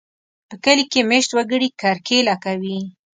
په کلي کې مېشت وګړي کرکېله کوي.